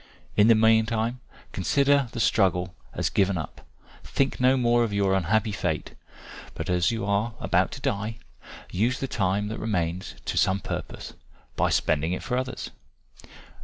In the meantime consider the struggle as given up; think no more of your unhappy fate, but as you are about to die, use the time that remains, to some purpose, by spending it for others.